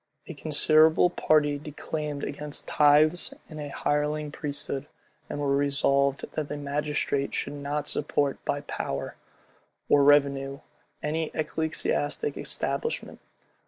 A considerable party declaimed against tithes and a hireling priesthood, and were resolved that the magistrate should not support by power or revenue any ecclesiastical establishment.